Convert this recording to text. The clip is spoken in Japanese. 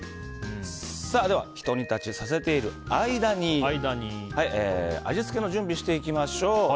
ではひと煮立ちさせている間に味付けの準備をしていきましょう。